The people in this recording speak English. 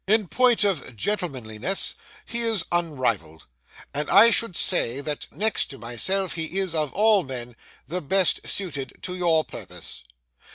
In point of gentlemanliness he is unrivalled, and I should say that next to myself he is of all men the best suited to your purpose.